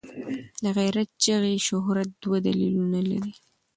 د غیرت چغې شهرت دوه دلیلونه لري.